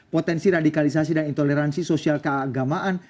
potensi radikalisasi dan intoleransi sosial keagamaan